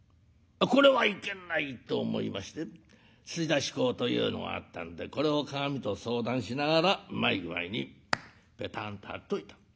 これはいけないと思いまして吸出膏というのがあったんでこれを鏡と相談しながらうまい具合にぺたんと貼っといた。